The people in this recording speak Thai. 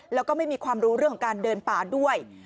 แล้วก็ไม่มีความรู้เรื่องของการเดินป่าด้วย